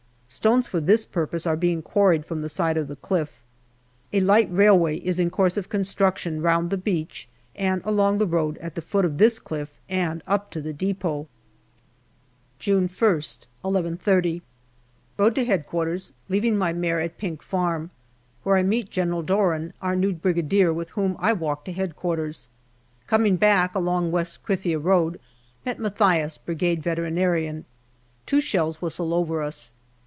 Stones for this purpose are being quarried from the side of the cliff. A light railway is in course of con struction round the beach and along the road at the foot of this cliff and up to the depot. 8 JUNE June 1st, 11.30. RODE to H.Q., leaving my mare at Pink Farm, where I met General Doran, our new Brigadier, with whom I walked to H.Q. Coming back along West Krithia road, met Mathias, Brigade Vet. Two shells whistle over us.